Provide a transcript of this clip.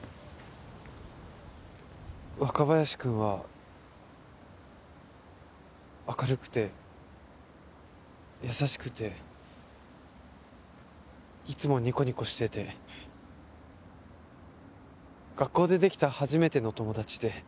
若林くんは明るくて優しくていつもニコニコしてて学校でできた初めての友達で。